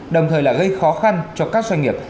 đồng thời là gây khó khăn cho các doanh nghiệp